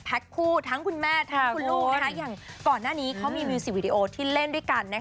คู่ทั้งคุณแม่ทั้งคุณลูกอย่างก่อนหน้านี้เขามีมิวสิกวิดีโอที่เล่นด้วยกัน